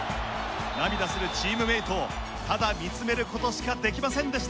涙するチームメートをただ見つめる事しかできませんでした。